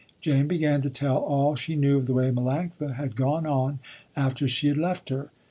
Jane began to tell all she knew of the way Melanctha had gone on, after she had left her.